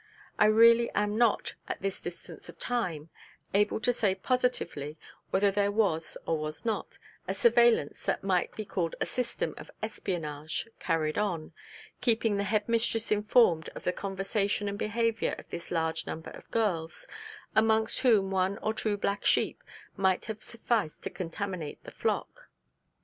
I really am not, at this distance of time, able to say positively whether there was, or was not, a surveillance that might be called a system of espionage carried on, keeping the head mistress informed of the conversation and behaviour of this large number of girls, amongst whom one or two black sheep might have sufficed to contaminate the flock.